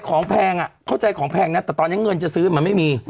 แพงอ่ะเข้าใจของแพงนะแต่ตอนนี้เงินจะซื้อมันไม่มี